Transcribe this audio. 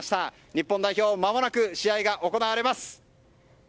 日本代表、まもなく試合が行われます。